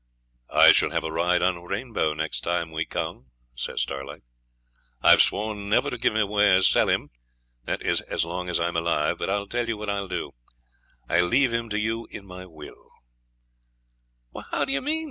'You shall have a ride on Rainbow next time we come,' says Starlight. 'I've sworn never to give him away or sell him, that is as long as I'm alive; but I'll tell you what I'll do I'll leave him to you in my will.' 'How do you mean?'